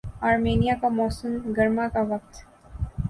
Armenia کا موسم گرما کا وقت